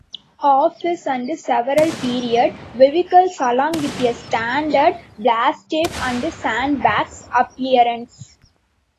Office and several period vehicles along with a standard 'blast tape and sandbags' appearance.